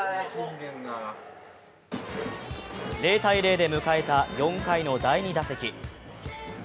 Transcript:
０ー０で迎えた４回の第２打席。